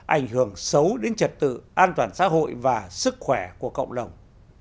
ảnh hưởng xấu đến trật tự an toàn xã hội và sức khỏe của cộng đồng